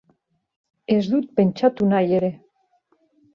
Ez dut pentsatu nahi ere!